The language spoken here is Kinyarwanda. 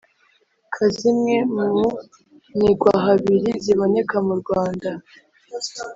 ka zimwe mu nigwahabiri ziboneka mu Rwanda